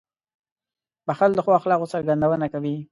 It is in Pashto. • بښل د ښو اخلاقو څرګندونه کوي.